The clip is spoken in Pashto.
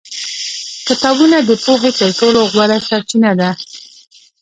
کتابونه د پوهې تر ټولو غوره سرچینه دي.